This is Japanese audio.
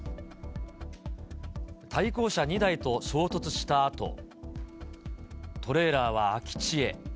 対向車２台と衝突したあと、トレーラーは空地へ。